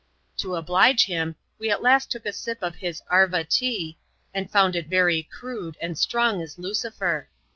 To oblige him, we at last took a sip of his " arva tee," and found it yerj crude, and strong as Lucifer.